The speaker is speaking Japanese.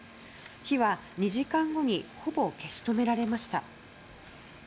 火は２時間後にほぼ消し止められました。